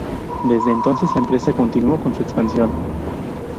Desde entonces, la empresa continuó con su expansión.